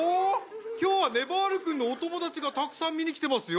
今日はねばる君のお友達がたくさん見に来てますよ。